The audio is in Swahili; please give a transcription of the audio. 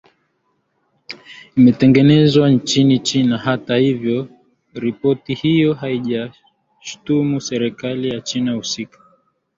limetengenezwa nchini china hata hivyo ripoti hiyo haijastumu serikali ya china kuhusika